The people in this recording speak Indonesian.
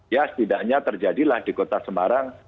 ya setidaknya terjadilah di kota semarang